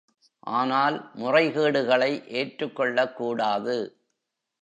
ஆனால் முறைகேடுகளை ஏற்றுக் கொள்ளக்கூடாது.